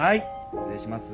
失礼します。